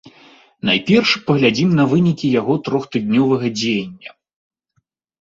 Найперш паглядзім на вынікі яго трохтыднёвага дзеяння.